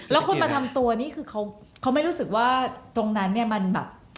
แล้วคนมาทำตัวนี่คือเขาไม่รู้สึกว่าตรงนั้นเนี่ยมันแบบ